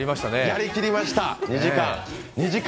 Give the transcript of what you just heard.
やりきました、２時間。